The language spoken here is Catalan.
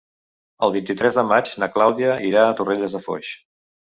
El vint-i-tres de maig na Clàudia irà a Torrelles de Foix.